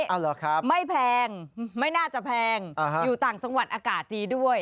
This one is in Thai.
เอาเหรอครับไม่แพงไม่น่าจะแพงอยู่ต่างจังหวัดอากาศดีด้วย